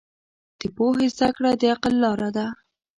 د پوهې زده کړه د عقل لاره ده.